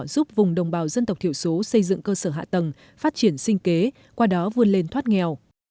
giúp vùng đồng bào dân tộc thiểu số xây dựng cơ sở hạ tầng phát triển sinh kế qua đó vươn lên thoát nghèo